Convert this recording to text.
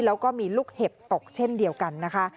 แล้วก็มีลูกเห็บตกเช่นเดียวกันนะคะ